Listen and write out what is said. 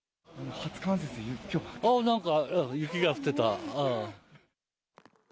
なんか、雪が降ってた。